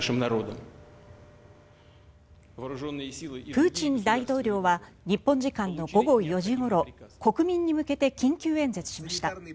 プーチン大統領は日本時間の午後４時ごろ国民に向けて緊急演説しました。